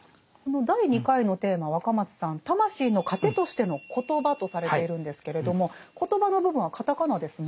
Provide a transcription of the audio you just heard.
第２回のテーマ若松さん「魂の糧としてのコトバ」とされているんですけれども「コトバ」の部分はカタカナですね。